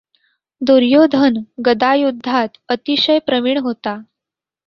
दुर्योधन गदायुद्धात अतिशय प्रवीण होता.